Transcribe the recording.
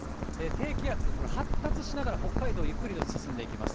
低気圧、これ、発達しながら北海道、ゆっくりと進んでいきます。